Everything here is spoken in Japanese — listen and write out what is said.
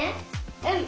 うん！